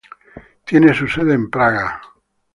Tiene su sede en Praga.